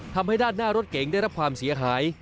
ทำให้ด้านหน้ารถเก๋งได้รับความเสียหาย